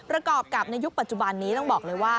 ประกอบกับในยุคปัจจุบันนี้ต้องบอกเลยว่า